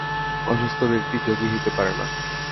অসুস্থ ব্যক্তি যোগী হইতে পারে না।